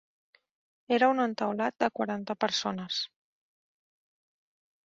Era un entaulat de quaranta persones.